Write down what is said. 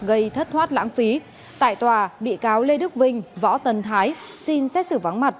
gây thất thoát lãng phí tại tòa bị cáo lê đức vinh võ tân thái xin xét xử vắng mặt